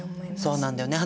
そうなんだよね